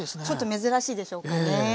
ちょっと珍しいでしょうかね。